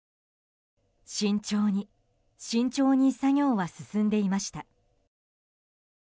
慎重に慎重に作業は進んでいました。